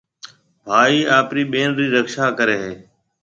ڀائي آپرِي ٻين رِي رڪشا ڪريَ هيَ۔